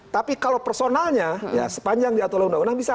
tapi kalau personalnya ya sepanjang diatur oleh undang undang bisa